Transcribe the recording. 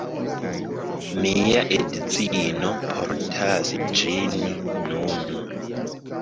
Mia edzino portas ĝin nun